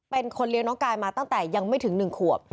เป็นคนเลี้ยงน้องกายมาตั้งแต่ยังไม่ถึง๑ขวบ